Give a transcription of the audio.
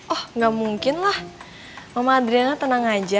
oh gak mungkinlah mama adriana tenang aja